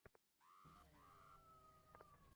উনাকে বিদায় জানানোর সুযোগটাও পাইনি!